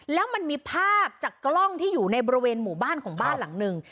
แล้วมันมีภาพจากกล้องที่อยู่ในบริเวณหมู่บ้านของบ้านหลังหนึ่ง